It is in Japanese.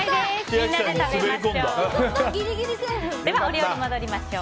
みんなで食べましょう。